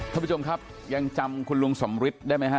ท่านผู้ชมครับยังจำคุณลุงสำริทได้ไหมฮะ